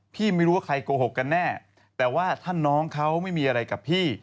ไม่รู้ว่าใครโกหกกันแน่แต่ว่าถ้าน้องเขาไม่มีอะไรกับพี่